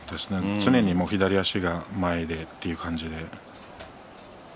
常に左足が前へ出るという感じで。